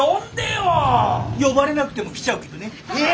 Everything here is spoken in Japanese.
呼ばれなくても来ちゃうけどね。